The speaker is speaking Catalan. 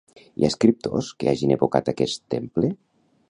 Hi ha escriptors que hagin evocat aquest temple?